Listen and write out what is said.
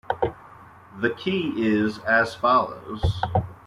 The key is as follows.